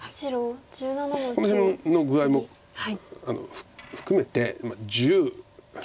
この辺の具合も含めてまあ１０。